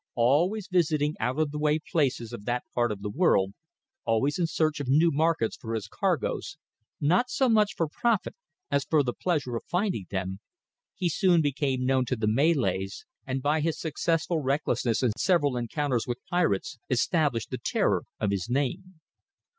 Always visiting out of the way places of that part of the world, always in search of new markets for his cargoes not so much for profit as for the pleasure of finding them he soon became known to the Malays, and by his successful recklessness in several encounters with pirates, established the terror of his name.